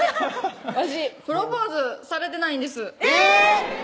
私プロポーズされてないんですえぇ！